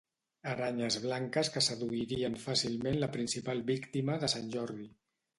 Aranyes blanques que seduirien fàcilment la principal víctima de Sant Jordi.